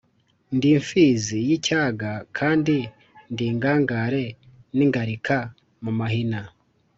Ndi imfizi y’icyaga kandi ndi ingare n’ingalika mu mahina,